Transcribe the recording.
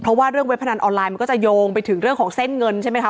เพราะว่าเรื่องเว็บพนันออนไลน์มันก็จะโยงไปถึงเรื่องของเส้นเงินใช่ไหมคะ